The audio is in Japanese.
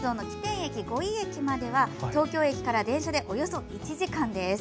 駅五井駅までは東京駅から電車でおよそ１時間です。